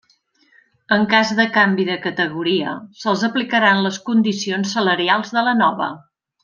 En cas de canvi de categoria, se'ls aplicaran les condicions salarials de la nova.